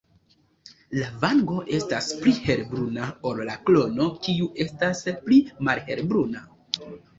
La vango estas pli helbruna ol la krono kiu estas pli malhelbruna.